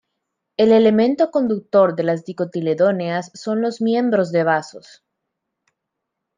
El elemento conductor de las dicotiledóneas son los miembros de vasos.